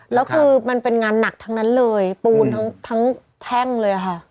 แล้วคือมันเป็นงานหนักทั้งนั้นเลยปูนทั้งแท่งเลยค่ะ